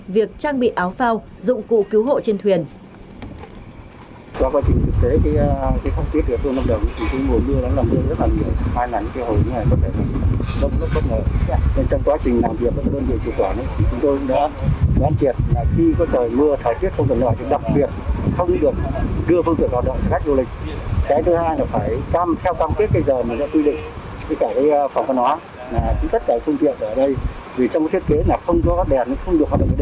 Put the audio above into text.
việc trang bị áo phao dụng cụ cứu hộ trên thuyền